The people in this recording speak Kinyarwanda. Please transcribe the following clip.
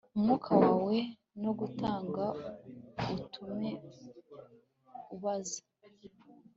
Umwuka wawe no gutanga utume ubaza